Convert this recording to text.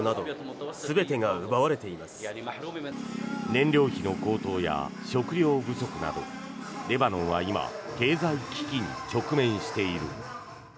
燃料費の高騰や食糧不足などレバノンは今経済危機に直面している。